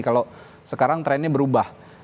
kalau sekarang trendnya berubah